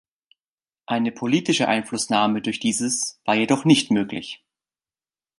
Eine politische Einflussnahme durch dieses war jedoch nicht möglich.